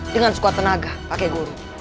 dengan sekuat tenaga pakai guru